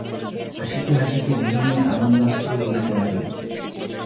হাসিতে হাসিতে গৃহিণীর আনন্দাশ্রু পড়িতে লাগিল।